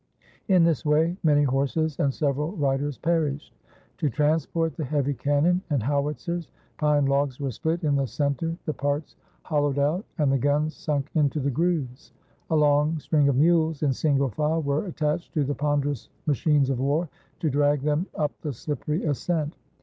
In this way many horses and several riders perished. To transport the heavy cannon and howitzers, pine logs were split in the center, the parts hollowed out, and the guns sunk into the grooves. A long string of mules, in single file, were attached to the ponderous machines of war, to drag them up the slippery ascent.